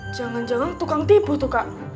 jangan jangan tukang tipu tuh kak